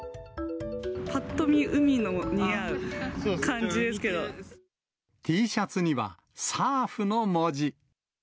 ぱっと見、海の似合う感じでＴシャツには、サーフの文字。